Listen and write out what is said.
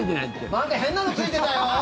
なんか変なのついてたよ！